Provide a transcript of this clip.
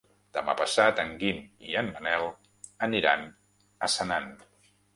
Demà passat en Guim i en Manel aniran a Senan.